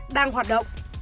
đang hoạt động